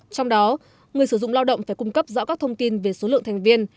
trong đó người sử dụng lao động phải cung cấp rõ các thông tin về số lượng thành viên